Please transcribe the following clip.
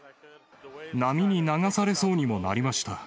波に流されそうにもなりました。